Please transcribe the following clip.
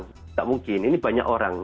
tidak mungkin ini banyak orang